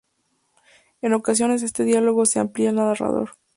En ocasiones este diálogo se amplia al narrador.